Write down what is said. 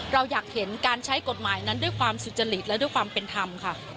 เราอยากเห็นการใช้กฎหมายนั้นด้วยความสุจริตและด้วยความเป็นธรรมค่ะ